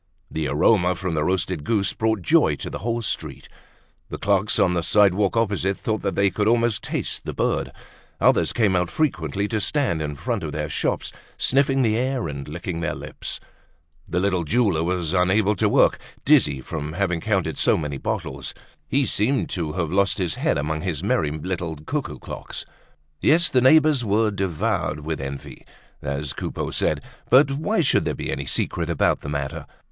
The aroma from the roasted goose brought joy to the whole street. The clerks on the sidewalk opposite thought they could almost taste the bird. Others came out frequently to stand in front of their shops, sniffing the air and licking their lips. The little jeweler was unable to work, dizzy from having counted so many bottles. He seemed to have lost his head among his merry little cuckoo clocks. Yes, the neighbors were devoured with envy, as Coupeau said. But why should there be any secret made about the matter?